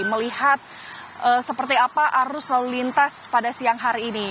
melihat seperti apa arus lalu lintas pada siang hari ini